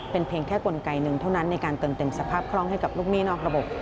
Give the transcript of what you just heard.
เป็นเพียงแค่กลไกหนึ่งเท่านั้นในการเติมเต็มสภาพคล่องให้กับลูกหนี้นอกระบบ